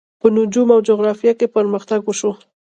په نجوم او جغرافیه کې پرمختګ وشو.